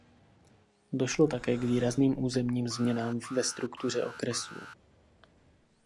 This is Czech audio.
Došlo také k výrazným územním změnám ve struktuře okresů.